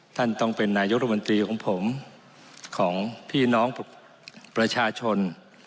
ท่านต้องเป็นนายกรมนตรีของผมของพี่น้องประชาชน